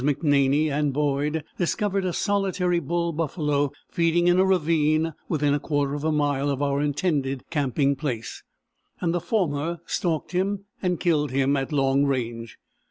McNaney and Boyd discovered a solitary bull buffalo feeding in a ravine within a quarter of a mile of our intended camping place, and the former stalked him and killed him at long range.